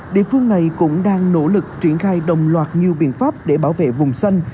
địa phương này cũng đang nỗ lực triển khai đồng loạt nhiều biện pháp để bảo vệ vùng xanh